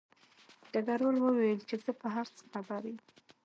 ډګروال وویل چې زه په هر څه خبر یم